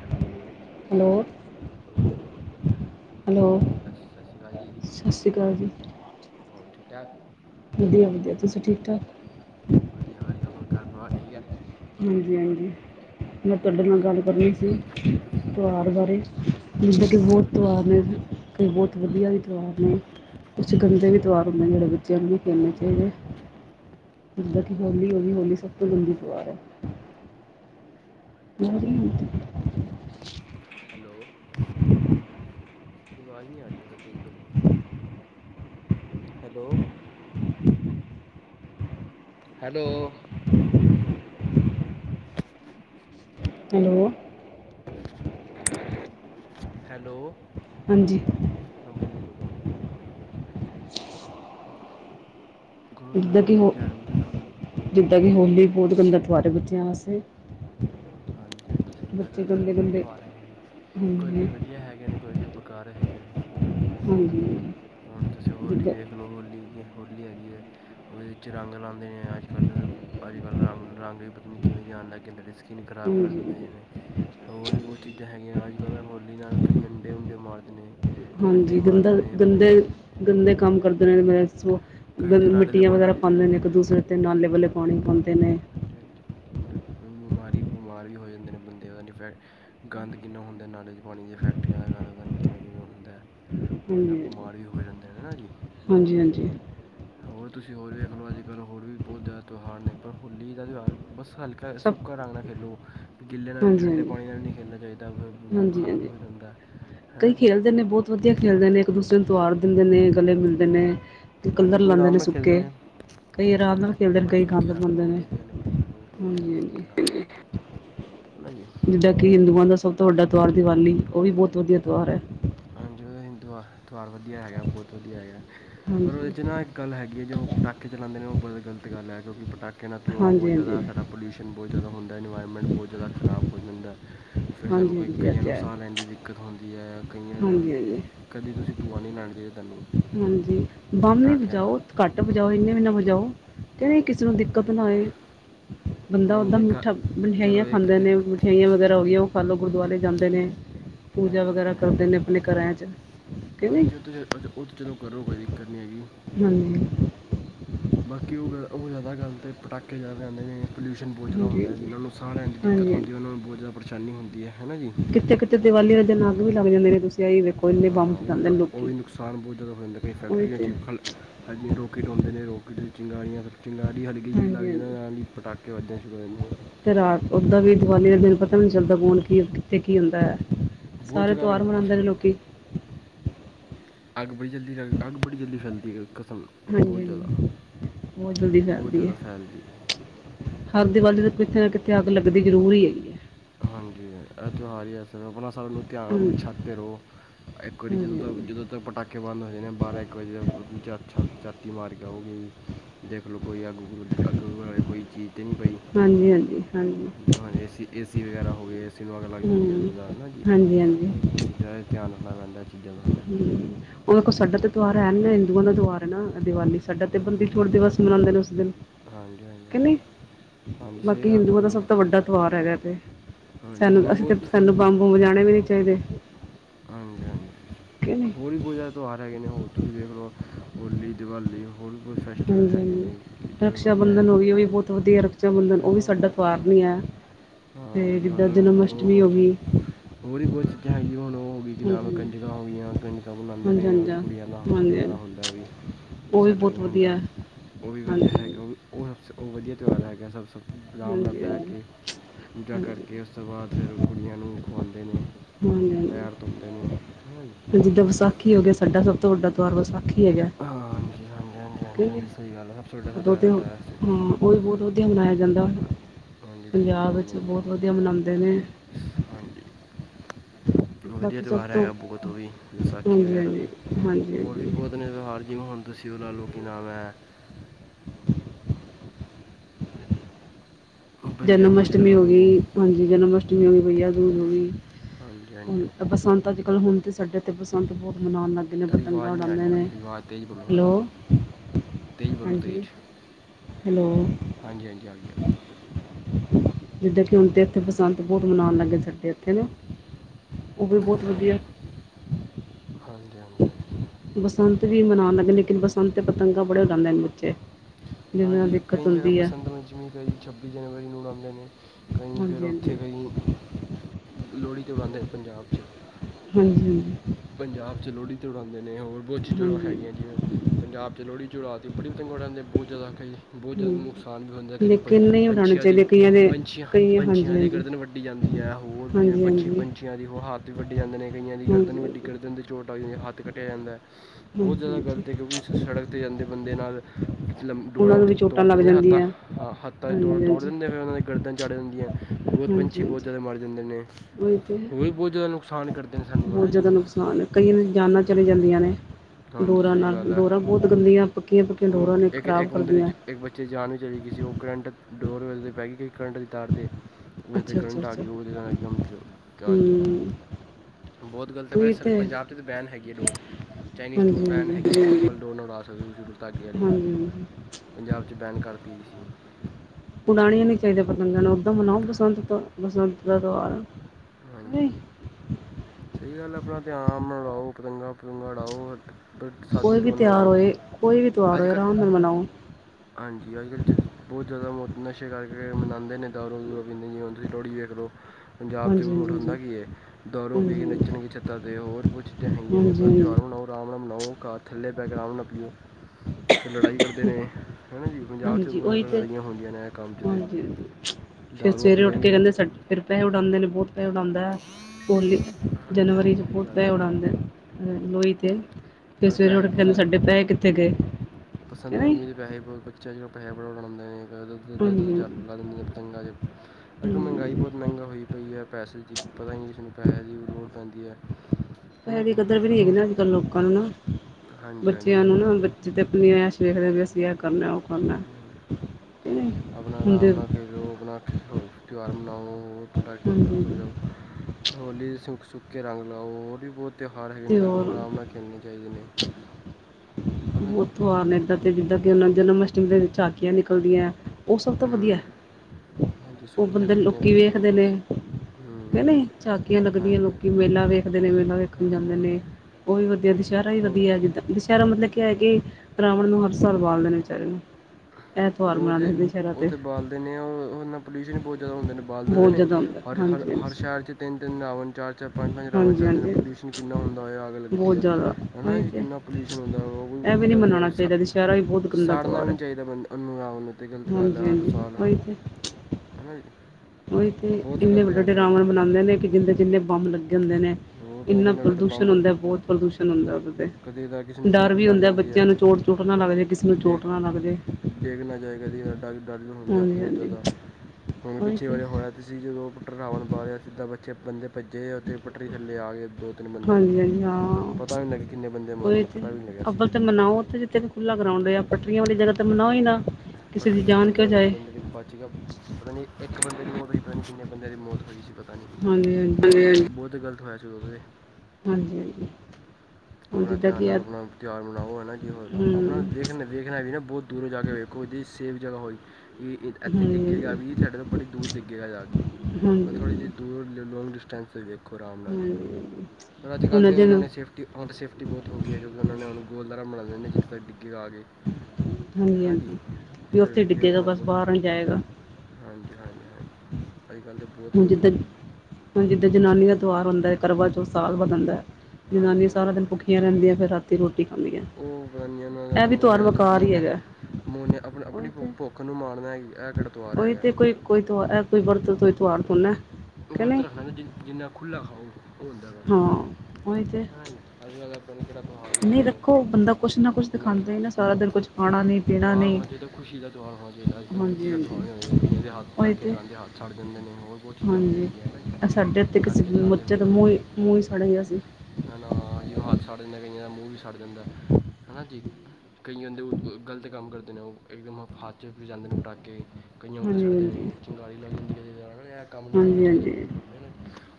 Hello hello. Hello hello. ਸਤਿ ਸਤਿ ਸ਼੍ਰੀ ਅਕਾਲ ਜੀ ਸਸ ਸ੍ਰੀ ਕਾਲ ਜੀ। ਹੋਰ ਠੀਕ-ਠਾਕ? ਵਧੀਆ-ਵਧੀਆ, ਤੁਸੀਂ ਠੀਕ-ਠਾਕ? ਵਧੀਆ-ਵਧੀਆ, ਹੋਰ ਘਰ ਪਰਿਵਾਰ ਠੀਕ ਏ? ਹਾਂਜੀ-ਹਾਂਜੀ, ਮੈਂ ਤੁਹਾਡੇ ਹੋਰ ਨਾਲ ਗੱਲ ਕਰਨੀ ਸੀ, ਤਯੋਹਾਰ ਬਾਰੇ ਇਨ ਦਿਨ ਬਹੁਤ ਕਰੋ ਜੀ ਤੁਆਰ ਨੇ। ਕਇ ਬਹੁਤ ਵਧੀਆ ਵੀ ਤਿਉਹਾਰ ਨੇ, ਕੁਛ ਗੰਦੇ ਵੀ ਤਿਉਹਾਰ ਹੁੰਦੇ ਨੇ, ਜੇੜੇ ਵਿੱਚ ਹਾਂਜੀ ਹਾਂਜੀ ਹਾਂਜੀ [unintelligible] ਬਾਕੀ ਹੋਲੀ-ਹੋਈ -ਹੋਲੀ, ਸਭ ਤੋਂ ਗੰਦੀ ਤਿਉਹਾਰ ਏ। [unintelligible] ਹੈਲੋ। ਤੁਹਾਡੀ ਆਵਾਜ਼ ਨੀ ਆ ਰਹੀ, ਥੋੜ੍ਹਾ ਤੇਜ਼ ਬੋਲੋ। ਹੈਲੋ। ਹੈਲੋ। [unintelligible] ਹੈਲੋ। ਹੈਲੋ। ਹਾਂਜੀ। ਹਾਂ, ਬੋਲੋ-ਬੋਲੋ ਹੁਣ, ਆ ਗਈ ਆਵਾਜ਼। ਕਰੋ ਜਿੱਦਾਂ ਕਿ ਤੁਸੀਂ ਤਿਆਰ ਹੋ-ਜਿੱਦਾਂ ਕਿ ਹੋਲੀ, ਬਹੁਤ ਗੰਦਾ ਤਿੳਹਾਰ ਵੇ ਬੱਚਿਆ ਵਾਸਤੇ। ਹਾਂਜੀ -ਹਾਂਜੀ, ਸਹੀ ਗੱਲ ਏ, ਬੱਚੇ ਅੱਜ-ਕੱਲ੍ਹ ਗੰਦੇ ਬਹੁਤ ਗੰਦੇ ਤਿਓਹਾਰ ਹੈਗੇ ਨੇ, ਹਾਂਜੀ ਕੋਈ-ਕੋਈ ਵਧੀਆ ਹੈਗੇ ਨੇ ਕੋਈ-ਕੋਈ, ਬਕਾਰ ਹੈਗੇ ਨੇ। ਹਾਂਜੀ ਹੁਣ ਤੁਸੀਂ ਹੋਲੀ ਜਿੱਦਾਂ ਵੇਖ ਲਓ, ਹੋਲੀ ਕਿ-ਹੋਲੀ ਹੈਗੀ ਏ। ਉਹਦੇ ਵਿੱਚ ਰੰਗ ਲਉਨੇ ਆ, ਅੱਜ- ਕੱਲ੍ਹ, ਅੱਜ-ਕੱਲ ਰੰਗ, ਰੰਗ ਵੀ ਪਤਾ ਨਹੀਂ ਕਿਵੇਂ ਜਹੇ ਅਨ ਲਗ ਗਏ ਨੇ ਸਕਿੰਨ ਖਰਾਬ ਕਰ ਹਾਂਜੀ ਦਿੰਦੇ ਹਾਂਜੀ ਨੇ। ਹੋਰ ਵੀ ਬਹੁਤ ਚੀਜ਼ਾਂ ਹੈਗੀਆਂ, ਅੱਜ-ਕੱਲ੍ਹ ਹੋਲੀ ਨਾਲ, ਕਈ ਅੰਡੇ ਉੁਂਡੇ ਮਾਰਦੇ ਨੇ। ਅੰਡੇ ਹਾਂਜੀ, ਮਾਰਦੇ ਨੇ ਪਤਾ ਨਹੀਂ ਗੰਦਾ-ਗੰਦੇ ਗੰਦੇ ਕੰਮ ਕਰਦੇ ਨੇ ਲੋਗ ਵੇਸੇ ਕਈ ਤਾਂ ਗੰਦੀ ਨਾਲੇ ਦੇ ਮਿੱਟੀਆਂ ਪਾਣੀ ਵਗੈਰਾ ਪਾਂਦੇ ਨੇ ਇੱਕ-ਦੂਸਰੇ ਤੇ ਨਾਲੇ ਵਾਲੇ ਪਾਣੀ ਪਾਂਦੇ ਨੇ। ਹਾਂਜੀ -ਹਾਂਜੀ, ਬਿਮਾਰੀ-ਬਿਮਾਰ ਵੀ ਹੋ ਜਾਂਦੇ ਨੇ, ਬੰਦੇ ਇਨਫੈਕਟ ਗੰਦ ਕਿੰਨਾ ਹੁੰਦਾ ਨਾਲੇ ਦੇ ਪਾਣੀ ਚ, ਫੈਕਟਰੀਆਂ ਦਾ ਗੰਦ ਕਿਵੇਂ ਕਿਵੇਂ ਹੁੰਦਾ? ਉਏ ਨਾਲ ਬਿਮਾਰ ਵੀ ਹੋ ਜਾਂਦੇ ਨੇ, ਹੈਨਾ ਜੀ? ਹਾਂਜੀ-ਹਾਂਜੀ। ਹੋਰ ਤੁਸੀਂ ਹੋਰ ਵੀ ਵੇਖ ਲਓ, ਅੱਜ-ਕੱਲ੍ਹ ਹੋਰ ਵੀ ਬਹੁਤ ਜ਼ਿਆਦਾ ਤਿਉਹਾਰ ਨੇ, ਪਰ ਹੋਲੀ ਦਾ ਤਿਉਹਾਰ ਬਸ ਹਲ ਅ ਸਭ ਸੁੱਕਾ ਰੰਗ ਨਾਲ ਖੇਲੋ, ਗਿੱਲੇੇ ਨਾਲ ਵੀ, ਠੰਡੇ ਪਾਣੀ ਨਾਲ ਵੀ, ਨਹੀਂ ਖੇਲਣਾ ਚਾਹੀਦਾ ਫ ਹਾਂਜੀ-ਹਾਂਜੀ ਕਈ ਜੀ ਖੇਲਦੇ ਨੇ, ਬਹੁਤ ਵਧੀਆ ਖੇਲਦੇ ਨੇ, ਇੱਕ ਦੂਸਰੇ ਨੂੰ ਤਿੳਆਰ ਦਿੰਦੇ ਨੇ। ਗੱਲੇ ਮਿਲਦੇ ਨੇ, ਤੇ ਹਾਂਜੀ ਕਲਰ ਕੋਈ ਲਾਂਦੇ ਆਰਾਮ ਨੇ ਨਾਲ ਖੇਲਦੇ ਸੁੱਕੇ। ਕਈ ਆਰਾਮ ਨਾਲ ਖੇਲਦੇ ਨੇ, ਆਪਣੇ ਕਈ ਗੰਦ ਸੁੱਕੇ ਰੰਗ ਪਾਂਦੇ ਲਾਓ ਨੇ ਵਧੀਆ ਬਿਲਕੁਲ ਬਹੁਤ ਹਾਂਜੀ-ਹਾਂਜੀ। [unintelligible] ਅੱਛਾ ਜਿੱਦਾਂ ਕਿ, ਹਿੰਦੂਆਂ ਦਾ ਸਭ ਤੋਂ ਵੱਡਾ ਤਿਉਆਰ ਦੀਵਾਲੀ, ਉਹ ਵੀ ਬਹੁਤ ਵਧੀਆ ਤਉਆਰ ਏ। ਹਾਂਜਿ, ਅ ਹਿਦੂਆਂ ਤਿਉਹਾਰ ਵਧੀਆ ਹੈਗਾ, ਬਹੁਤ ਵਧੀਆ ਹੈਗਾ। ਪਰ ਉਦੇ ਹਾਂਜੀ ਚ ਨਾ, ਇੱਕ ਗੱਲ ਹੈਗੀ ਏ ਜੋ ਪਟਾਕੇ ਚਲਾਂਦੇ ਨੇ, ਉਹ ਬਹੁਤ ਗਲਤ ਗੱਲ ਏ ਕਿਉਂਕਿ ਪਟਾ ਪਟਾਕਿਆਂ ਨਾਲ ਧੂੰਆਂ ਹਾਂਜੀ ਬਹੁਤ ਹਾਂਜੀ ਜ਼ਿਆਦਾ, ਸਾਡਾ ਪੋਲਿਊਸ਼ਨ ਬਹੁਤ ਜ਼ਿਆਦਾ ਹੁੰਦਾ ਏ, ਇਨਵਾਇਰਮੈਂਟ ਬਹੁਤ ਜ਼ਿਆਦਾ ਖ਼ਰਾਬ ਹੋ ਜਾਂਦਾ। ਫਿਰ ਸਾਨੂੰ ਹਾਂਜੀ ਕੋਈ- ਹਾਂਜੀ ਇਹ ਕਈਆਂ ਤਾਂ ਨੂੰ ਹੈ ਸਾਹ ਲੈਣ ਦੀ ਦਿੱਕਤ ਹੁੰਦੀ ਏ ਕਈਆਂ ਨੂੰ ਹਾਂਜੀ ਹਾਂਜੀ ਕਦੀ ਤੁਸੀਂ ਧੂੰਆ ਨਹੀਂ ਲੇੰਂਦੇ। ਹਾਂਜੀ, ਬਮ ਨੀ ਦਾ ਵਜਾਓ ਘੱਟ ਵਜਾਓ, ਇੰਨੇ ਵੀ ਨਾ ਵਜਾਓ, 'ਤੇ ਵਈ ਕਿਸੇ ਨੂੰ ਦਿੱਕਤ ਨਾ ਆਏ। ਬੰਦਾ ਓਦਾਂ ਨਹੀਂ ਇੱਕ ਮਿੱਠਾ, ਚਲੋ ਮਿਠਿਆਈਆਂ ਇੱਕ ਖਾਂਦੇ ਨੇ। ਇੱਕ ਮਠਿਆਈਆਂ ਵਗੈਰਾ ਹੋ ਗਈਆਂ, ਉਹ ਖਾਲੋ, ਗੁਰਦੁਆਰੇ ਜਾਂਦੇ ਨੇ, ਪੂਜਾ ਹਾਂਜੀ ਵਗੈਰਾ ਆਪਣਾ ਕਰਦੇ ਨੇ ਆਪਣੇ ਘਰਾਂ 'ਚ। ਕਿ ਨਹੀਂ ਹਾਂਜੀ, ਉਹ ਤਾਂ ਉਹ ਤਾਂ ਚਲੋ ਕਰੋ, ਕੋਈ ਦਿੱਕਤ ਨਹੀਂ ਹੈਗੀ। ਹਾਂਜੀ। ਬਾਕੀ ਉਹ ਗ ਓ ਜ਼ਦਾ ਗੱਲਦੇ ਅਤੇ ਪਟਾਕੇੇ ਜ਼ਿਆਦਾ ਆਂਦੇ ਨੇ। ਪੋਲਿਊਸ਼ਨ ਬਹੁਤ ਜ਼ਿਆਦਾ ਹਾਂਜੀ ਹਾਂਜੀ ਹੁੰਦਾ, ਜਿਨਾਂ ਨੂੰ ਸਾਹ ਲੈਣ ਦੀ ਦਿੱਕਤ ਹਾਂਜੀ ਹਾਂਜੀ ਹੁੰਦੀ ਹੈ, ਉਹਨਾਂ ਨੂੰ ਬਹੁਤ ਜ਼ਿਆਦਾ ਪਰੇਸ਼ਾਨੀ ਹੁੰਦੀ ਹੈ, ਹਨਾ ਜੀ? ਤੇ ਦੀਵਾਲੀ ਦੇ ਦਿਨ ਅੱਗ ਵੀ ਲੱਗ ਜਾਂਦੀ, ਨੇਸੀਂਹੀ ਵੇ ਹਾਂ, ਉਹ ਵੀ ਬ ਉਹ ਵੀ ਨੁਕਸਾਨ ਬਹੁਤ ਜ਼ਿਆਦਾ ਹੋ ਜਾਂਦਾ, ਕਈ ਉਹੀ ਫੈਕਟਰੀਆਂ ਤੇ 'ਚ ਖ ਹਾਂਜੀ, ਰੋਕਿਟ ਹੁੰਦੇ ਨੇ, ਰੋਕਿਟ ਦੀ ਚੰਗਾਰੀਆਂ, ਚੰਗਾਰੀਆ ਲੱਗਦੇ ਹਾਂਜੀ ਹਾਂਜੀ ਨਾਲ ਹੀ ਪਟਾਕੇ ਵਜਨੇ ਸ਼ੁਰੂ ਹੋ ਤੇ ਰਾਤ ਜਾਂਦੇ। ਉੱਦਾਂ ਵੀ ਦੀਵਾਲੀ ਦੇ ਦਿਨ ਪਤਾ ਵੀ ਨਹੀਂ ਚੱਲਦਾ ਬੋਣ ਕੀ ਕਿੱਥੇ ਕੀ ਹੁੰਦਾ ਹੈ, ਬਹੁਤ ਸਾਰੇ ਜਗ੍ਹਾ ਤਿਉਹਾਰ ਲੱਗੀ ਮਨਾਉਂਦੇ ਨੇ ਲੋਕੀ। ਅੱਗ ਬੜੀ ਜਲਦੀ ਲਗ, ਅੱਗ ਬੜੀ ਜਲਦੀ ਫੈਲਦੀ, ਕਸਮ ਹਾਂਜੀ ਬਹੁਤ ਜ਼ਿਆਦਾ, ਹਾਂਜੀ ਬਹੁਤ ਜਲਦੀ ਬਹੁਤ ਫੈਲਦੀ ਹੈ ਜ਼ਿਆਦਾ ਫੈਲਦੀ ਹੈ। ਹਰ ਦੀਵਾਲੀ ਤੇ ਕਿੱਥੇ ਨਾ ਕਿੱਥੇ ਅੱਗ ਲੱਗਦੀ ਜ਼ਰੂਰ ਈ ਹੈਗੀ! ਹੈ ਹਾਂਜੀ, ਇਹ ਤਿਉਹਾਰ ਹੀ ਐਸਾ ਹੈ ਆਪਣਾ ਸਾਰਿਆ ਨੂੰ ਆਮ ਹਾਂਜੀ ਛਤ ਪ ਰੋ ਇੱਕ ਕਰ ਜਦੋਂ ਤ ਜਦੋਂ ਤ ਪਟਾ ਕੇ ਬੰਦ ਹੋਏ ਨੇ, ਬਾਰਾਂ ਇੱਕ ਵਜੇ ਆਪਣੀ ਚਾ ਛਾ ਚਾਤੀ ਮਾਰ ਕੇ ਆਓ ਵਈ ਦੇਖ ਲਓ ਕੋਈ ਅੱਗ ਉਗ, ਅੱਗ ਵਾਲੀ ਕੋਈ ਚੀਜ਼ ਤਾਂ ਨਹੀਂ ਪਈ। ਹਾਂਜੀ ਹਾਂਜੀ ਹਾਂਜੀ ਹਾਂਜੀ, ਏਸੀ-ਏਸੀ ਵਗੈਰਾ ਹੋ ਗਏ, ਸ ਜਿਨੂੰ ਅੱਗ ਲੱਗ ਜਾਂਦੀ ਹੈ, ਹੂੰ ਜ਼ਿਦਾਰ ਨਾ ਜੀ, ਹਾਂਜੀ ਹਾਂਜੀ ਓਹਨਾ ਚੀਜ਼ਾਂ ਧਿਆਨ ਰੱਖਣਾ ਪੈਂਦਾ ਚੀਜ਼ਾਂ ਦਾ। ਹਮ! ਓ ਦੇਖੋ, ਸਾਡਾ ਤਾਂ ਤਿਉਹਾਰ ਹੈ ਨੀ, ਨਾ, ਹਿੰਦੂਆਂ ਦਾ ਤਿਉਹਾਰ ਹੈ ਦੀਵਾਲੀ। ਸਾਡਾ ਤੇ ਬੰਦੀ ਹਾਂਜੀ ਛੋੜ ਦਿਵਸ ਮਨਾਉਂਦੇ ਨੇ ਉਸ ਦਿਨ। ਹਾਂਜੀ ਹਾਂਜੀ ਕੇ ਹਾਂਜੀ ਨਹੀਂ, ਹਾਂਜੀ ਸਹੀ ਬਾਕੀ ਗੱਲ ਆ ਹਿੰਦੂਆਂ ਦਾ ਬਿਲਕੁਲ ਸਭ ਤੋਂ ਵੱਡਾ ਤਿਉਹਾਰ ਹੈਗਾ ਏ ਤੇ। ਹਾਂਜੀ, ਸਾਨੂੰ ਹੋਰ ਅਸੀਂ ਬਹੁਤ ਤੇ ਸਾਨੂੰ ਬੰਬ-ਬੁੰਬ ਵਜਾਣੇ ਵੀ ਨੀ ਚਾਹੀਦੇ। ਹਾਂਜੀ, ਹਾਂਜੀ। ਕਿ ਨਹੀਂ ਹੋਰ ਵੀ ਪੂਜਾ ਦੇ ਤਿਉਹਾਰ ਹੈਗੇ ਨੇ, ਹੋਰ ਤੁਸੀਂ ਵੇਖ ਲਓ ਹੋਲੀ, ਦਿਵਾਲੀ, ਹੋਰ ਵੀ ਕੁਛ ਹਾਂਜੀ, ਹਾਂਜੀ, ਰਕਸ਼ਾ ਬੰਧਨ ਹੋ ਹੈਗੇ ਵੀ, ਉਹ ਵੀ ਨੇ ਬਹੁਤ ਵਧੀਆ ਰ ਰਕਸ਼ਾ ਬੰਧਨ, ਉਹ ਵੀ ਹਾਂ ਸਾਡਾ ਤਿਵਾਰ ਤਾਂ- ਨਹੀਂ ਹੈ ਤੇ ਹਾਂਜੀ ਜਿੱਦਾਂ ਹੁਣ ਜਨਮ ਉਹ ਅਸ਼ਟਮੀ ਹੋ ਗਈ। ਹੋਰ ਵੀ ਬਹੁਤ ਚੀਜ਼ਾਂ ਹੈਗੀਆਂ ਹੁਣ ਓ ਕਿ ਹਾਂਜੀ ਨਾਮ, ਹਾਂਜੀ ਕੰਜਕਾਂ ਹੋ ਗਈਆਂ-ਕੰਜਕਾਂ ਬਣਾਉਂਦੇ ਹਾਂਜੀ ਨੇ ਉਹ ਹਾਂਜੀ ਵੀ, ਕੁੜੀਆਂ ਦਾ, ਹਾਂਜੀ ਮੁੰਡਿਆ ਦਾ ਹਾਂਜੀ ਹੁੰਦਾ ਉਹ ਵੀ। ਉਹ ਵੀ ਸਾਡਾ ਬਹੁਤ ਨਹੀਂ ਵਧੀਆ ਹੁੰਦਾ ਉਹ ਵੀ, ਵਧੀਆ ਹਾਂਜੀ ਹਾਂਜੀ ਹੈਗਾ ਉਹ ਉਹ ਸਕੋ ਵਧੀਆ ਤਿਉਹਾਰ ਹੈਗਾ, ਸਭ ਸ ਆਰਾਮ ਨਾਲ ਹਾਂਜੀ ਬਹਿ ਹਾਂਜੀ ਕੇ ਪੂਜਾ ਹਾਂਜੀ ਕਰਕੇ, ਉਸ ਤੋਂ ਬਾਅਦ ਫਿਰ ਉਹ ਕੁੜੀਆਂ ਨੂੰ ਖਆਉਂਦੇ ਨੇ। ਹਾਂਜੀ। ਤਮਦੇ ਨੇ ਹਾਂ [unintelligible] ਜਿੱਦਾਂ ਵਿਸਾਖੀ ਹੋ ਗਿਆ, ਸਾਡਾ ਸਭ ਤੋਂ ਵੱਡਾ ਤਿਹਾਰ ਵਿਸਾਖੀ ਹੈਗਾ। ਹਾਂ, ਹਾਂਜੀ, ਹਾਂਜੀ, ਹਾਂਜੀ, ਹਾਂਜੀ, ਕਿਉਂਕਿ ਹਾਂਜੀ, ਸਹੀ ਗੱਲ ਹੈ! ਸਭ ਤੋਂ ਵੱਡਾ ਉਦੋਂ ਤਿਉਹਾਰ ਤਾਂ ਹੈਗਾ। ਹਾਂ ਉਹ ਵੀ ਬਹੁਤ ਵਧੀਆ ਮਨਾਇਆ ਜਾਂਦਾ, ਹਾਂਜੀ ਪੰਜਾਬ ਧੂਮਧਾਮ ਵਿੱਚ ਨਾਲ ਬਹੁਤ ਵਧੀਆ ਮਨਾਉਂਦੇ ਨੇ। ਹਾਂਜੀ। ਵਧੀਆ ਬਾਕੀ ਸਭ ਤਿਉਹਾਰ ਤੋਂ ਹੈਗਾ ਬਹੁਤ ਉਹ ਵੀ, ਵਿਸਾਖੀ ਹਾਂਜੀ ਵਗੈਰਾ ਹਾਂਜੀ ਵੀ। ਹਾਂਜੀ ਹੋਰ ਵੀ ਹਾਂਜੀ ਬਹੁਤ ਨੇ ਤਿਓਹਾਰ, ਜਿਵੇਂ ਹੁਣ ਤੁਸੀਂ ਓ ਲਾ ਲਓ ਕੀ ਨਾਮ ਹੈ ਭਈਆ ਦੂਜ ਜਨਮਅਸ਼ਟਮੀ ਲਗਾ ਹੋ ਲਓ ਗਈ, ਹਾਂਜੀ, ਜਨਮਅਸ਼ਟਮੀ ਹੋ ਗਈ ਭਈਆ ਦੂੂਜ ਹੋ ਗਈ। ਹਾਂਜੀ ਹਾਂਜੀ ਹੁਣ ਬਸੰਤ ਅੱਜ ਕੱਲ੍ਹ ਹੁਣ ਤੇ ਸਾਡੇ ਇੱਥੇ ਬਸੰਤ ਬਹੁਤ ਮਨਾਣ ਲੱਗ ਤੁਹਾਡੀ ਪਤੰਗਗਾ ਆਵਾਜ਼ ਨਹੀਂ ਆ ਰਹੀ ਉਦਾਂਦੇ ਜੀ ਨੇ, ਤੁਹਾਡੀ ਆਵਾਜ਼ ਤੇਜ਼ ਬੋਲੋ ਥੋੜ੍ਹਾ ਜਿਹਾ ਹੈਲੋ ਤੇਜ਼ ਬੋਲੋ ਹਾਂਜੀ। ਤੇਜ਼ ਹੈਲੋ। ਹਾਂਜੀ, ਹਾਂਜੀ, ਹਾਂਜੀ। ਜਿੱਦਾਂ ਕਿ ਹੁਣ ਤਾਂ ਇੱਥੇ ਬਸੰਤ ਬਹੁਤ ਮਨਾਣ ਲੱਗਗੇਏ ਸਾਡੇ ਇੱਥੇ ਨਾ, ਉਹ ਵੀ ਬਹੁਤ ਵਧੀਆ ਹਾਂਜੀ, ਹਾਂਜੀ, ਹਾਂਜੀ। ਬਸੰਤ ਵੀ ਮਨਾਣ ਲੱਗੇ ਲੇਕਿਨ ਬਸੰਤ ਤੇ ਪਤੰਗਾ ਬੜੇ ਉਡਾਦੇ ਨੇ ਬੱਚੇ। ਜਿਹਦੇ ਨਾਲ ਹਾਂਜੀ, ਦਿੱਕਤ ਕਈ ਜਗ੍ਹਾ ਹੁੰਦੀ ਹੈ ਬਸੰਤ-ਪੰਚਮੀ ਕਈ ਛੱਬੀ ਜਨਵਰੀ ਨੂੰ ਉੜਾਂਦੇ ਨੇ। ਕਈ ਫੇਰ ਹਾਂਜੀ ਉੱਥੇ ਹਾਂਜੀ ਕਈ, ਲੋਹੜੀ ਤੇ ਉਡਾਂਦੇ ਨੇ ਪੰਜਾਬ ਚ। ਹਾਂਜੀ, ਹਾਂਜੀ। ਪੰਜਾਬ ਚ ਲੋਹੜੀ ਤੇ ਉਡਾਉਂਦੇ ਨੇ ਹੋਰ ਬਹੁਤ ਚੀਜ਼ਾਂ ਹਾਂਜੀ ਹੈਗੀਆਂ ਜਿਵੇਂ ਪੰਜਾਬ ਚ ਲੋਹੜੀ ਚ ਉੜਾਤੀ, ਬੜੀ ਪਤੰਗਾ ਉੜਾਂਦੇ ਬਹੁਤ ਜ਼ਿਆਦਾ ਕਈ ਬਹੁਤ ਜ਼ਿਆਦਾ ਹਾਂਜੀ ਨੁਕਸਾਨ ਵੀ ਹੁੰਦੇ ਆ ਕੜੀ ਲੇਕਿਨ ਨਹੀਂ ਉਡਾਉਣੇ ਪੰ-ਪੰਛੀਆਂ ਦੀ, ਚਾਹੀਦੇ ਕਈਆਂ ਦੇ ਪੰਛੀਆਂ, ਕਈ ਪੰਛੀਆਂ ਹਾਂਜੀ ਦੀ ਹਾਂਜੀ ਗਰਦਨ ਵੱਡ ਡੀ ਜਾਂਦੀ ਆ ਹੋਰ ਜਿਵੇਂ ਹਾਂਜੀ ਪੰਛੀ ਹਾਂਜੀ ਹਾਂਜੀ ਪੰਛੀਆਂ ਦੀ ਹੋ ਹਾਤ ਵੀ ਵੱਡੇ ਜਾਂਦੇ ਨੇ ਕਈਆਂ ਦੀ ਗਰਦਨ ਵੀ ਵੱਡੀ ਹਾਂਜੀ ਗਰਦਨ ਤੇ ਚੋਟ ਆ ਜਾਂਦੀ, ਹੱਥ ਕੱਟਿਆ ਜਾਂਦਾ, ਬਹੁਤ ਜ਼ਿਆਦਾ ਹਾਂਜੀ ਹਾਂਜੀ ਗਲਤ ਏ ਕਿਉਂਕਿ ਸ-ਸੜਕ ਦੇ ਜਾਂਦੇ ਬੰਦੇ ਨਾਲ ਲੰਬ ਉਹਨਾਂ ਡੋਰਾਂ ਨੂੰ ਵੀ ਚੋਟਾਂ ਤੋੜ ਲੱਗ ਦਿੰਦੇ ਹੱਥਾਂ ਜਾਂਦੀਆਂ ਹਾ ਹੱਥਾਂ ਡੋਰ ਹਾਂਜੀ ਤੋੜ ਹਾਂਜੀ ਦਿੰਦੇ ਫੇਰ ਉਹਨਾਂ ਦੇ ਗਰਦਨ ਚ ਅੜ ਜਾਂਦੀ ਐ। ਬਹੁਤ ਪੰਛੀ ਬਹੁਤ ਜਾਦੇ ਮਰ ਜਾਂਦੇ ਨੇ। ਓਹੀ ਤੇ ਹੋਰ ਵੀ ਬਹੁਤ ਜ਼ਿਆਦਾ ਨੁਕਸਾਨ ਕਰਦੇ ਨੇ ਸਾਨੂੰ, ਹਨਾ ਜੀ। ਹਾ ਨਾ, ਕਈਆਂ ਦੀਆਂ ਜਾਨਾਂ ਚਲੇ ਜਾਂਦੀਆਂ ਨੇ। ਹਾਂਜੀ ਡੋਰਾਂ ਸਹੀ ਨਾਲ ਗੱਲ ਹੈ ਡੋਰਾਂ ਬਹੁਤ ਗੰਦੀਆਂ ਪੱਕੀਆਂ-ਪੱਕੀਆਂ ਉਹ ਡੋਰਾਂ ਨੇ ਇੱਕ ਖ਼ਰਾਬ ਇੱਕ ਬੰਦੇ ਦੀ ਕਰਦੀਆਂ। ਜ ਇੱਕ ਬੱਚੇ ਦੀ ਜਾਨ ਵੀ ਚਲੀ ਗਈ ਸੀ ਉਹ ਕਰੰਟ ਡੋਰ [unintelligible] ਪੈ ਗਈ ਕਰੰਟ ਦੀ ਤਾਰ ਤੇ ਓਦੇ ਤੇ ਅੱਛਾ ਅੱਛਾ ਕਰੰਟ ਆ ਅੱਛਾ ਗਈ ਉਹਦੇ ਨਾਲ ਇੱਕਦਮ ਜੋ ਜਾਨ ਚੱਲੀ ਗਈ, ਹੂੰ ਬਹੁਤ ਗਲਤ ਐ ਪਰ ਉਹੀ ਸਰ ਤੇ ਪੰਜਾਬ ਚ ਤਾਂ ਬੈਨ ਹੈਗੀ ਏ ਡੋਰ, ਚਾਈਨੀਜ਼ ਡੋਰ ਹਾਂਜੀ ਬੈਨ ਹਾਂਜੀ ਹੈਗੀ, ਕਲ ਡੋਰ ਨਾਲ ਉੜਾ ਸਕਦੇ ਤੁਸੀਂ ਕੁਝ। ਧਾਗੇ ਆਰੀ ਨਾਲ, ਹਾਂਜੀ ਹਾਂਜੀ ਪੰਜਾਬ ਚ ਬੈਨ ਕਰਤੀ ਸੀ। ਉਡਾਣੀਆਂ ਨੀ ਚਾਈਦੇ ਪਤੰਗਾ ਨੂੰ ਓਦਾਂ ਮਨਾਓ ਬਸੰਤ ਦਾ, ਬਸੰਤ ਦਾ ਤਿਉਹਾਰ ਆ। ਹਾਂਜੀ, ਸਈ ਗੱਲ ਐ ਆਪਣਾ ਧਿਆਮ ਨਾ ਉਡਾਉ ਪਤੰਗਾ ਪਤੁਗਾ ਉਡਾਉ। ਪਰ ਸਾਦੀ ਕੋਈ ਵੀ ਡੋਰ ਨਾਲ ਤਿਉਹਾਰ ਉਡਾਓ, ਹੋਏ ਕੋਈ ਵੀ ਤਿਉਹਾਰ ਹੋਏ ਅਜ-ਕੱਲ ਆਰਾਮ ਨਾਲ ਮਨਾਓ ਹਾਂਜੀ, ਅੱਜ-ਕੱਲ ਚ ਬਹੁਤ ਜ਼ਿਆਦਾ ਮੌਤ ਨਸ਼ੇ ਕਰਕੇ ਮਨਾਂਦੇ ਨੇ ਦਾਰੂ ਦੂਰੁ ਪੀਂਦੇ ਨੇ, ਜਿਵੇ ਹੁਣ ਤੁਸੀਂ ਲੋਹੜੀ ਵੇਖ ਲੋ। ਪੰਜਾਬ ਚ ਹਾਂਜੀ ਹੋਰ ਹੁੰਦਾ ਹਾਂਜੀ ਕੀ ਏ, ਦਾਰੂ ਪੀ ਕੇ ਹਾਂਜੀ ਨੱਚਣ ਗੇ ਹਾਂਜੀ ਛੱਤਾਂ ਤੇ, ਹੋਰ ਕੁਛ ਚੀਜ਼ਾਂ ਹੈਈਆਂ ਨੇ ਪਰ ਹਾਂਜੀ ਹਾਂਜੀ ਤਿਉਹਾਰ ਮਨਾਉ। ਰਾਮ ਨਾਲ ਮਨਾਓ, ਕਰ ਥੱਲੇ ਬੈਂ ਕੇ ਅਰਾਮ ਨਾ ਪੀਓ, ਫੇਰ ਲੜਾਈ ਕਰਦੇ ਨੇ, ਹੈਨਾ ਜੀ। ਪੰਜਾਬ ਚ ਹਾਂਜੀ ਬਹੁਤ ਉਹੀ ਜ਼ਿਆਦਾ ਤੇ ਲੜਾਈਆਂ ਹੁੰਦੀਆਂ ਨੇ ਇਹ ਕੰਮ ਚ ਤੇ, ਹਾਂਜੀ ਹਾਂਜੀ ਦਾਰੂਆਂ ਪੀ ਲੈਂਗੇ। ਫੇਰ ਪੈਹੇ ਉਡਾਂਦੇ ਨੇ ਬਹੁਤ ਪੈਹ ਉਡਾਦਾ ਐ, ਹੋਲੀ ਹਾਂਜੀ ਜਨਵਰੀ ਹਾਂਜੀ ਚ ਸਹੀ ਬੋਤ ਗੱਲ ਪੈਹ ਹੈ ਉਡਾਦੈ ਨੇ, ਲੋਈ ਤੇ। ਫੇਰ ਅ ਸਵੇਰੇ ਉਠ ਪੈਸੇ ਕੇ ਕਹਿੰਦੇ ਸਾਡੇ ਪੈਹੇ ਕਿੱਥੇ ਗਏ। ਕਹਿੰਦੇ ਪਸੰਤ ਹਾਂਜੀ ਪੰਜਮੀ ਦੇ ਪੈਹੇ ਬਹੁ ਬੱਚੇ ਜਿਵੇ ਪੈਹੇ ਬੜ ਬੜਾਦੇ ਨੇ ਦੋ-ਦੋ ਹਾਂਜੀ ਜਾਰ ਲਾ ਦਿੰਦੇ ਨੇ ਪਤੰਗਾਂ ਗੇ। ਅੱਜ-ਕੱਲ੍ਹ ਮਹਿੰਗਾਈ ਹੂੰ ਬਹੁਤ ਮਹਿੰਗਾ ਹੋਈ ਪਈ ਐ, ਪੈਸੇ ਦੀ ਪਤਾ ਹੀ ਨੀ ਕਿਸੇ ਨੂੰ ਪੈਸੇ ਦੀ ਲੋੜ ਪੈਂਦੀ ਐ। ਪੈਹੇ ਦੀ ਕੱਦਰ ਵੀ ਨੀ ਹੈਗੀ ਨਾ ਅੱਜ-ਕੱਲ੍ਹ ਲੋਕਾਂ ਨੂੰ ਨਾ, ਹਾਂਜੀ ਹਾਂਜੀ ਬੱਚਿਆਂ ਸਹੀ ਨੂੰ ਨਾ ਗੱਲ ਹੈ ਬੱ ਚੇ ਤੇ ਆਪਣੇ ਐਸ਼ ਵੇਖਦੇ ਪੇ ਸੀ, ਇਹ ਕਰਨਾ ਉਹ ਕਰਨਾ। ਹਾਂਜੀ ਹਾਂਜੀ ਕਿ ਨਹੀਂ ਆਪਣਾ ਹੁੰਦੇ ਆਰਾਮ ਨਾਲ ਖੇਲੋ ਆਪਣਾ ਖ ਤਿਉਹਾਰ ਮਨਾਓ ਹੋਰ ਪਟਾਕੇ ਹਾਂਜੀ ਪਟੂਕੇ ਹਾਂਜੀ ਵਜਾਓ। ਹੋਲੀ ਦੇ ਸੁਕ-ਸੁੱਕੇ ਰੰਗ ਲਾਓ, ਹੋਰ ਵੀ ਬੋਤ ਤਿਉਹਾਰ ਹੈਗੇ ਅਤੇ ਨੇ, ਸਾਨੂੰ ਹੋਰ ਰਾਮ ਨਾ ਖੇਲਣੇ ਚਾਈਦੇ ਨੇ। ਹੈ ਨਾ ਬੋਤ ਜੀ ਤਿਉਹਾਰ ਨੇ ਏਦਾਂ 'ਤੇ ਜਿੱਦਾਂ ਕਿ ਉਨਾ ਜਨਮ ਅਸ਼ਟਮੀ ਦੇ ਝਾਕੀਆਂ ਨਿਕਲਦੀਆਂ। ਉਹ ਸਭ ਤੋਂ ਵਧੀਐ, ਹੂੰ ਹਾਂਜੀ ਉਹ ਸੁੱਕੀਆਂ ਬੰਦੇ ਸੁੱਕੀਆਂ ਲੋਕੀ ਵੇਖਦੇ ਨੇ‌। ਕੇ ਨਈ, ਹਾਂਜੀ ਝਾਕੀਆਂ ਲੱਗਦੀਆਂ। ਹਾਂਜੀ ਹਾਂਜੀ ਲੋਕੀ ਮੇਲਾ ਵੇਖਦੇ ਨੇ, ਮੇਲਾ ਵੇਖਨ ਹਾਂਜੀ ਜਾਂਦੇ ਨੇ। ਹਾਂਜੀ ਉਹ ਵੀ ਵਦੀਆ, ਦੁਸ਼ਹਿਰਾ ਵੀ ਹੋਰ ਵਦੀਆ ਜਿਦਾ ਦੁਸਹਿਰਾ ਮਤਲਬ ਕੀ ਐ ਕੇ, ਰਾਵਣ ਨੂੰ ਹਰ ਸਾਲ ਬਾਲਦੇ ਨੇ ਵਿਚਾਰੇ ਨੂੰ। ਇਹ ਤਿਉਹਾਰ ਉਹ ਤੇ, ਮਨਾਉਂਦੇ ਦੁਸਹਿਰਾ ਉਹ 'ਤੇ ਬਾਲਦੇ ਨੇ ਓ। ਓਦੇ ਨਾਲ ਪੋਲਿਊਸ਼ਨ ਵੀ ਬੋਤ ਜਾਦਾ ਹੁੰਦੇ ਨੇ। ਬਾਲਦੇ ਦੇ ਬਹੁਤ ਨੇ, ਜ਼ਿਆਦਾ ਹੁੰਦਾ ਹਰ-ਹਰ ਹਾਂਜੀ ਹਰ ਹਾਂਜੀ ਸ਼ਹਿਰ 'ਚ ਤਿੰਨ-ਤਿੰਨ ਰਾਵਣ, ਚਾਰ-ਚਾਰ, ਪੰਜ- ਪੰਜ ਰਾਵਣ ਹਾਂਜੀ ਚੱਲਦੇ ਨੇ। ਹਾਂਜੀ ਪੋਲਿ ਧੂੰਅ ਕਿੰਨਾ ਹੁੰਦਾ ਹੈਗਾ ਅੱਗ ਲੱਗਦੀ ਬਹੁਤ ਐ, ਜ਼ਿਆਦਾ ਹੈਨਾ ਉਹੀ ਜੀ, ਤੇ ਕਿੰਨਾ ਪੋਲਿਊਸ਼ਨ ਹੁੰਦਾ, ਉਹ ਵੀ ਬੋਤ ਗੱਲ ਐ। ਸਾ ਚੈਰਾ ਵੀ ਬੋਤ ਗੰਦਾ ਤਉਆਰ ਐ। ਚਾਈਦਾ ਬੰਦ ਅਨ ਰਾਵਣ ਨੂੰ 'ਤੇ ਗਲਤ ਗੱਲ ਐ ਹਰ ਹਾਂਜੀ ਸਾਲ, ਹੈਨਾ ਜੀ। ਓਹੀ 'ਤੇ, ਬਹੁਤ ਇੰਨੇ ਗਲਤ ਗੱਲ ਹੈ ਵੱਡੇ-ਵੱਡੇ ਮੈਂ ਤਾਂ ਰਾਵਣ ਬਨਾਂਦੇ ਨੇ, ਕਿ ਜਿੰਦੇ ਜਿੰਨੇ ਬੰਬ ਲੱਗੇ ਹੁੰਦੇ ਨੇ। ਹੋਰ ਪਤਾ ਨਹੀਂ ਇੰਨਾ ਕਿੰਨੇ ਵੱਡੇ ਵੱਡੇ ਪ੍ਰਦੂਸ਼ਨ ਬੰਬ ਲੱਗ, ਹੁੰਦਾ ਬੋਤ ਪ੍ਰਦੂਸ਼ਨ ਹੁੰਦਾ। ਓਦੇ ਕਦੇ ਤਾਂ ਕਿਸੇ 'ਤੇ ਨੂੰ ਡਰ ਚੋਟ ਵੀ ਲੱਗ ਹੁੰਦਾ, ਜਾਂਦੀ ਹੈ ਬੱਚਿਆਂ ਨੂੰ ਚੋਟ ਦੁੱਖ ਨਾ ਲੱਗ ਜੇ ਕਿਸੇ ਨੂੰ ਡਿੱਗ ਚੋਟ ਨਾ ਲੱਗ ਜੇ, ਡਿੱਗ ਨਾ ਜਾਏ ਕਦੀ ਇਹਦਾ ਡਰ ਹਾਂਜੀ-ਹਾਂਜੀ। [unintelligible] ਹੁਨ ਪਿੱਛੇ ਗਜ਼ਬ ਹੋਇਆ। ਤੁਸੀ ਜਦੋਂ ਪ ਟਰਾਵਣ ਬਾਲਿਆ, ਸਿੱਧਾ ਬੱਚੇ-ਬੰਦੇ ਭੱਜੇ ਉੱਥੇ। ਬਟ 'ਤੇ ਥੱਲੇ ਆ ਗਏ ਦੋ। ਹਾਂਜੀ-ਹਾਂਜੀ, ਪਤਾ ਹਾਂ। ਵੀ ਨਹੀਂ ਲੱਗਿਆ ਕਿੰਨੇ ਬੰਦੇ ਮਰੇ ਓਹੀ ਨੇ ਤੇ, ਪਤਾ ਵੀ ਨਹੀਂ ਲੱਗਿਆ ਸੀ ਅਬਲ 'ਤੇ ਮਨਾਓ ਉਥੇ ਜਿੱਥੇ ਖੁਲਾ ਗਰਾਉਂਡ ਏ ਆਪਾ। ਬਈ, ਉਹ ਵਾਲੀ ਜਗ੍ਹਾ 'ਤੇ ਮਨਾਉ ਈ ਨਾ। ਕਿਸੇ ਦੀ ਪੱਟਰੀ ਵਾਲੀ ਜਾਨ ਕਿਉਂ ਜਗ੍ਹਾ ਜਾਏ ਸੁਬੰਧ ਵਿਚ ਬੱਚ ਗਿਆ ਹੁਨ। ਪਤਾ ਨੀ, ਇੱਕ ਬੰਦੇ ਦੀ ਮੌਤ ਹੋਈ, ਪਤਾ ਨੀ ਕਿੰਨਿਆ ਬੰਦਿਆਂ ਦੀ ਮੌਤ ਹੋਈ ਸੀ ਤਾਂ। ਹਾਂਜੀ, ਹਾਂਜੀ-ਹਾਂਜੀ। ਬੋਤ ਗ਼ਲਤ ਹੋਇਆ ਸੀ ਓਦੋ 'ਤੇ। ਹਾਂਜੀ ਹਾਂਜੀ ਹੁਣ ਆਪਨਾ ਜਿੱਦਾਂ ਧਿਆਨ ਕਿ ਨਾਲ ਆ ਆਪਨਾ ਤੇਉਹਾਰ ਮਨਾਓ, ਹੈਨਾ? ਜੀਓ ਤਾਂ, ਆਪਨਾ ਹਮ ਠੀਕ ਏ ਨਾ? ਵੇਖਨਾ ਹੈਗਾ ਨਾ, ਬੋਤ ਦੂਰ ਜਾ ਕੇ ਵੇਖੋ, ਜੇ ਸੇਫ ਜਗਾ ਹੋਈ। ਕਿ ਇਥ ਐੱਥੇ ਡਿੱਗੇਗਾ ਹਾਂਜੀ ਹਾਂਜੀ ਵੀ, ਸਾਡੇ ਤੋਂ ਬੜੀ ਦੂਰ ਡਿੱਗੇਗਾ ਜਾ ਕੇ, ਬਸ। ਥੋੜ੍ਹੀ ਜੀ ਹਾਂਜੀ ਦੂਰ, ਲੌਂਗ ਡਿਸਟੈਂਸ 'ਤੇ ਵੇਖੋ ਆਰਾਮ ਨਾਲ, ਹਾਂਜੀ ਪਰ ਅੱਜ-ਕੱਲ੍ਹ ਹੁਣ ਤਾਂ ਅਜੇ ਉਨਾਂ ਨੂੰ ਨੇ ਸੇਫ ਕਿ ਹੁਨ ਤੇ ਸੇਫਟੀ ਬੋਤ ਹੋ ਗਈ ਏ, ਕਿਉਂਕਿ ਉਨਾਂ ਨੇ ਉਨੂੰ ਗੋਲਦਾਰਾ ਬਨਾ ਦੇਨੈ ਜਿੱਥੇ ਡਿੱਗੇਗਾ ਆ ਕੇ। ਹਾਂਜੀ- ਹੈ ਨਾ ਜੀ ਹਾਂਜੀ, ਵੀ ਜਿੱਥੇ ਤੱਕ ਉੱਥੇ ਡਿੱਗੇਗਾ ਆਪਣਾ ਬਸ ਗੋਲ ਬਾਰ ਨੀ ਜਾਏਗਾ। ਹਾਂਜੀ, ਹਾਂਜੀ, ਹਾਂਜੀ, ਅੱਜ-ਕੱਲ੍ਹ ਤਾਂ ਬੋਤ ਵੋ ਜਿੱਦੇ ਜਨਾਨੀਆ ਤੇਉਹਾਰ ਹੁੰਦੈ, ਕਰਵਾ ਚੋਂਥ ਸਾਲ ਬਾਦ ਆਂਦੈ। ਹਾਂਜੀ ਜਨਾਨੀਆਂ ਹਾਂਜੀ ਸਾਰਾ ਦਿਨ ਭੁੱਖੀਆਂ ਰੈਂਦੀਆਂ, ਫਿਰ ਰਾਤੀ ਰੋਟੀ ਖਾਂਦੀਐ, ਉਹ ਪਤਾ ਨਹੀਂ ਐ ਵੀ ਤੁਹਾਰ ਵਕਾਰ ਈ ਹੈਗਾ। ਮੋਏ ਨੇ ਆਪਨ-ਆਪਨੀ ਭੁੱ- ਭੁੱਖ ਨੂੰ ਮਾਣਨੈ, ਐ। ਓਈ 'ਤੇ, ਕੋਈ-ਕੋਈ ਤੇਉਹਾਰ ਐ, ਕੋਈ ਵਰਤ 'ਤੇ ਤੁਹਾਰ ਖੁਲ੍ਹਨੈ, ਕੇ ਵਰਤ ਨਈਂ? ਰੱਖਣਾ ਤੇ ਜਿ- ਜਿੰਨਾ ਖੁੱਲ੍ਹਾ ਖਾਓ, ਉਹ ਹੁੰਦੈ ਵਰਤ ਹਾਂ 'ਤੇ, ਉਹੀ ਤੇ ਹਾਂਜੀ। [unintelligible] ਅਸੀ ਕੇੜਾ ਤੁਹਾਰ ਨਹੀਂ ਮਨਾਂਦੇ ਪੇਅ ਅਪਨਾ, ਰੱਖੋ ਬੰਦਾ ਕੁਛ ਨਾ ਕੁਛ ਹੈਨਾ ਬਈ? ਦਿਖਾਉਂਦਾ ਹੀ ਨਾ ਸਾਰਾ ਦਿਨ ਕੁਛ ਖਾਣਾ ਨੀ। ਤਿਉਹਾਰ ਹੋਨਾ ਚਾਈਦਾ ਖੁਸ਼ੀ ਦਾ ਤਿਉਹਾਰ ਹੋਨਾ ਚਾਈਦਾ, ਅੱਜ-ਕੱਲ ਹਾਂਜੀ ਦੁਖੀ ਦਾ ਹਾਂਜੀ ਤਿਉਹਾਰ ਨਈਂ ਹੋਨਾ ਚਾਈਦਾ। ਕਈਆਂ ਦੇ ਹੱਥ ਉਹੀ ਪਟਾੱਕੇ ਤੇ ਚਲਾਂਦੇ ਹੱਥ ਛੱਡ ਦਿੰਦੇ ਨੇ, ਹੋਰ ਬੋਤ ਚੀਜ਼ਾਂ ਹੋ ਹਾਂਜੀ ਜਾਂਦੀਆਂ ਹੈ ਨਾ ਜੀ, ਇਹ ਸਾਡੇ ਇੱਥੇ ਕਿਸੇ ਪਟਾਕੇ ਚਲਾਂਦੇ ਬੱਚੇ ਦਾ ਹੋਏ। ਮੂੰਹ ਹੀ ਮੂੰਹ ਹੀ ਸੜ ਗਿਆ ਸੀ ਹੈਨਾ ਜੀ, ਹੱਥ ਸੱੜ ਜਾਂਦੈ, ਕਈਆਂ ਦਾ ਮੂੰਹ ਵੀ ਸੱੜ ਜਾਂਦੈ। ਹਾਂਜੀ ਜੀ, ਕਈਆ ਦੇ ਓ ਗਲਤ ਕੰਮ ਕਰਦੇ ਨੇ, ਉਹ ਇੱਕਦਮ ਹੱਥ 'ਚ ਵਜਾਂਦੇ ਨੇ ਪਟਾਕੇ। ਕਈਆਂ ਉੱਤੇ ਹਾਂਜੀ ਛੱਡਦੇ ਨੇ, ਹਾਂਜੀ ਚਿੰਗਾਰੀ ਲੱਗ ਜਾਂਦੀ ਕਦੇ- ਕਦਾਰ। ਐਹ ਕੰਮ ਨੀ ਕਰਨੇ ਹਾਂਜੀ ਚਾਈਦੇ ਹਾਂਜੀ ਬਿਲਕੁਲ, ਹੈਨਾ?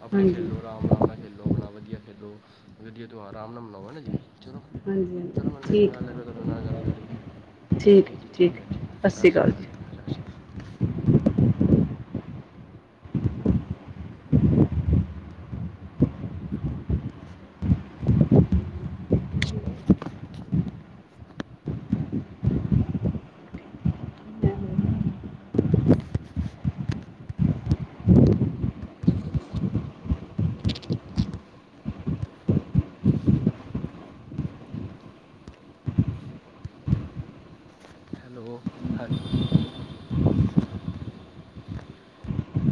ਅਪਨੇ ਹਾਂਜੀ ਹਾਂਜੀ ਖੇਲੋ, ਰਾਮ- ਰਾਮ ਨਾਲ ਖੇਲੋ। ਆਪਨਾ ਵਦੀਆ ਖੇਲੋ, ਵਦੀਆ ਤੇਉਹਾਰ ਆਰਾਮ ਨਾਲ ਮਨਾਓ, ਹੈ ਨਾ ਜੀ? ਚਲੋ, ਚਲੋ ਹਾਂਜੀ ਮੈਨੂੰ ਠੀਕ ਹੈ। ਚੰਗਾ ਲੱਗਿਆ ਤੁਹਾਡੇ ਨਾਲ ਗੱਲ ਕਰਕੇ। ਠੀਕ ਐ ਹੈ ਜੀ, ਠੀਕ ਐ, ਹੈ। ਠੀਕ ਸਤਿ ਐ। ਸ਼੍ਰੀ ਸਸ ਸ੍ਰੀ ਅਕਾਲ ਕਾਲ ਸਸ ਸ਼੍ਰੀ ਕਾਲ। [unintelligible] ਜੀ ਹਮ। ਹੈਲੋ, ਹਾਂਜੀ।